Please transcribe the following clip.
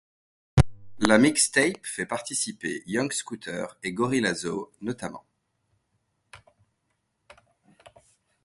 La mixtape fait participer Young Scooter et Gorilla Zoe, notamment.